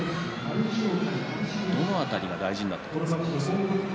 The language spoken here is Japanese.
どの辺りが大事になりますか？